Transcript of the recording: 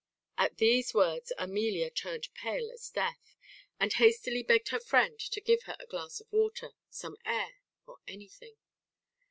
At these words Amelia turned pale as death, and hastily begged her friend to give her a glass of water, some air, or anything.